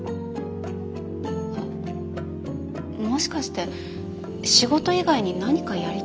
あもしかして仕事以外に何かやりたいことがあるの？